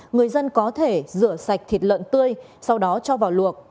người dân có thể rửa sạch thịt lợn tươi sau đó cho vào luộc